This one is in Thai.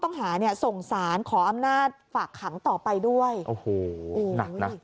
ต้องหาเนี่ยส่งสารขออำนาจฝากขังต่อไปด้วยโอ้โหหนักนะ